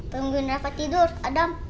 tunggu ndrava tidur adam